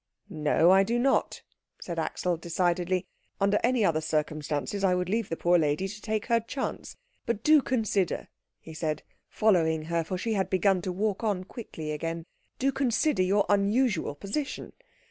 "No, I do not," said Axel decidedly. "Under any other circumstances I would leave the poor lady to take her chance. But do consider," he said, following her, for she had begun to walk on quickly again, "do consider your unusual position.